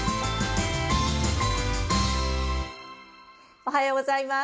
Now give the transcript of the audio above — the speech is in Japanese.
おはようございます。